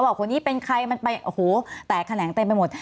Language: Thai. ว่าคนนี้เป็นใครมันไปโอ้โหแตกแขนงเต็มไปหมด